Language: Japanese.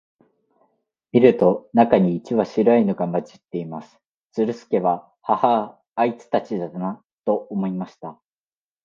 見ると、中に一羽白いのが混じっています。ズルスケは、ハハア、あいつたちだな、と思いました。